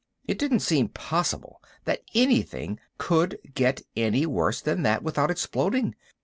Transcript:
It didn't seem possible that anything could get any worse than that without exploding.